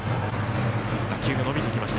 打球が伸びていきました。